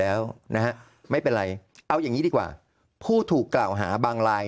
แล้วนะฮะไม่เป็นไรเอาอย่างนี้ดีกว่าผู้ถูกกล่าวหาบางลาย